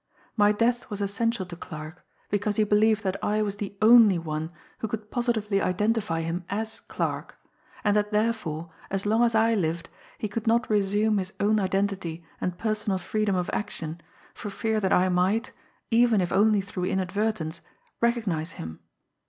My death was essential to Clarke, because he believed that I was the only one who could positively identify him as 'Clarke,' and that, therefore, as long as I lived he could not resume his own identity and personal freedom of action for fear that I might, even if only through inadvertence, recognise him.